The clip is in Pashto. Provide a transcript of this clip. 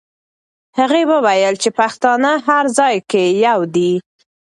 هغې وویل چې پښتانه هر ځای کې یو دي.